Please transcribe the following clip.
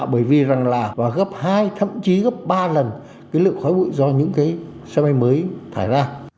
bởi vì rằng là gấp hai thậm chí gấp ba lần cái lượng khói bụi do những cái sân bay mới thải ra